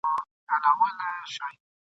په دې وروستیو ورځو کي مي !.